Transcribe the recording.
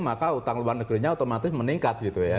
maka utang luar negerinya otomatis meningkat